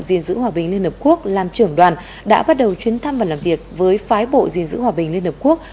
diên dữ hòa bình liên hợp quốc làm trưởng đoàn đã bắt đầu chuyến thăm và làm việc với phái bộ diên dữ hòa bình liên hợp quốc